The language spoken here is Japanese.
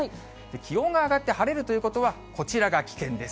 気温が上がって晴れるということは、こちらが危険です。